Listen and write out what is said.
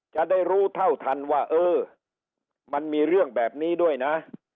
จะได้รู้เท่าทันว่าเออมันมีเรื่องแบบนี้ด้วยนะ